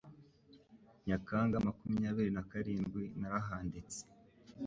Nyakanga makumyabiri na karindwi narahanditse